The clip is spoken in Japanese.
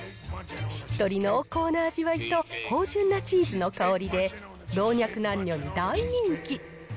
しっとり濃厚な味わいと芳じゅんなチーズの香りで、老若男女に大人気。